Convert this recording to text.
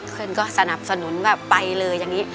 เพื่อนก็สนับสนุนว่าไปเลยอย่างนี้